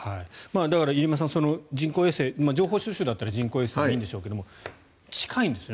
入山さん情報収集だったら人工衛星でいいんでしょうけど近いんですよね